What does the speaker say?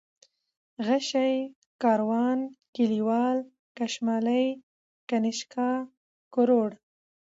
غشى ، کاروان ، کليوال ، کشمالی ، كنيشكا ، کروړ